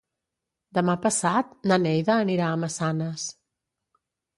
Demà passat na Neida anirà a Massanes.